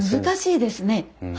難しいですね。